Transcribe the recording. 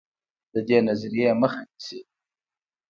د دې نظریې مخه نیسي.